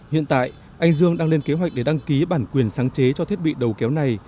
hiện tại anh dương đang lên kế hoạch để đăng ký bản quyền sáng chế cho thiết bị đầu kéo này